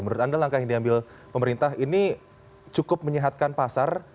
menurut anda langkah yang diambil pemerintah ini cukup menyehatkan pasar